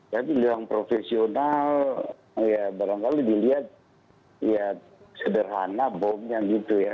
tapi yang profesional ya barangkali dilihat ya sederhana bomnya gitu ya